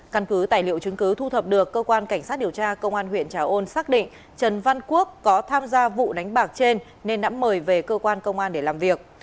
căn cứ tài liệu chứng cứ thu thập được cơ quan cảnh sát điều tra công an huyện trà ôn xác định trần văn quốc có tham gia vụ đánh bạc trên nên đã mời về cơ quan công an để làm việc